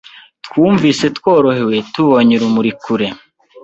Twumvise tworohewe tubonye urumuri kure .